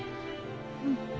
うん。